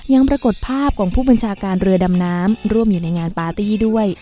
ยังปรากฏภาพของผู้บัญชาการเรือดำน้ำร่วมอยู่ในงานปาร์ตี้ด้วย